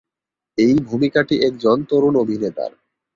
এই ভূমিকাটি একজন তরুণ অভিনেতার।